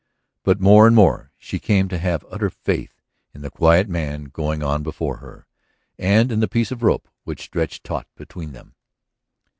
But more and more she came to have utter faith in the quiet man going on before her, and in the piece of rope which stretched taut between them.